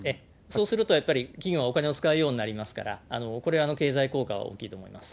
そうするとやっぱり、企業がお金を使うようになりますから、これは経済効果、大きいと思います。